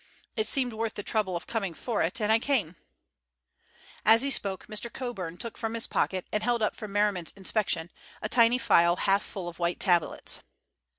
It seemed worth the trouble of coming for it, and I came." As he spoke Mr. Coburn took from his pocket and held up for Merriman's inspection a tiny phial half full of white tablets.